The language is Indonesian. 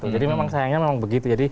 jadi memang sayangnya memang begitu